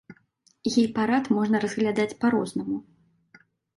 Гей-прайд можна разглядаць па-рознаму.